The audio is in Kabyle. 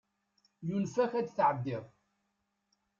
Yunef-ak ad tɛeddiḍ.